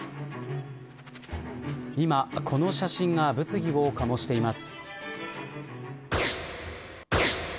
今、この写真が物議を醸しています。